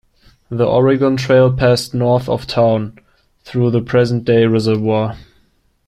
The Oregon Trail passed north of town, through the present-day reservoir.